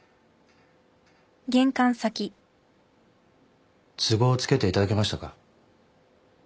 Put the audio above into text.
都合つけていただけましたか？